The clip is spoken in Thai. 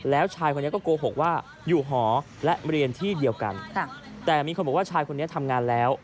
แล้วชายคนนี้ก็โกหกว่าอยู่หอและเรียนที่เดียวกันแต่มีคนบอกว่าชายคนนี้ทำงานแล้ว